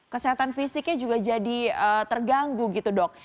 kesehatan fisiknya juga jadi terganggu gitu dok